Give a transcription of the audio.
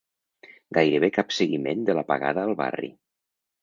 Gairebé cap seguiment de l'apagada al barri.